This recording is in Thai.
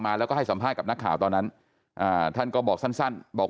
แล้วก็ให้สัมภาษณ์กับนักข่าวตอนนั้นท่านก็บอกสั้นบอก